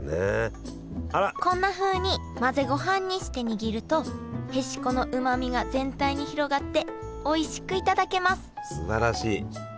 こんなふうに混ぜごはんにして握るとへしこのうまみが全体に広がっておいしく頂けます